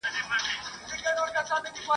جهاني قاصد راغلی ساه ختلې ده له ښاره ..